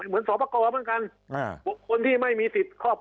เหมือนส